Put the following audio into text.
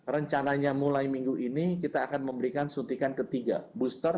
rencananya mulai minggu ini kita akan memberikan suntikan ketiga booster